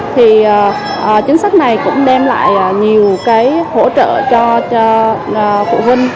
thì chính sách này cũng đem lại nhiều cái hỗ trợ cho phụ huynh